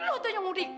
lu tuh yang udik